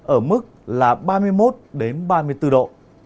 ở mức ba mươi một ba mươi bốn độ